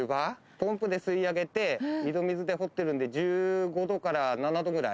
ポンプで吸い上げて井戸水で掘ってるんで、１５度から７度ぐらい。